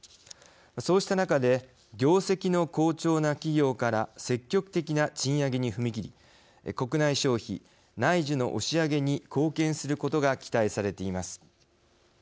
そうした中で業績の好調な企業から積極的な賃上げに踏み切り国内消費、内需の押し上げに貢献することが期待されています。